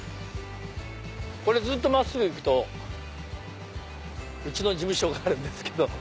これずっと真っすぐ行くとうちの事務所があるんですけど。